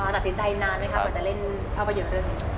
น่าจะทดลองนานไหม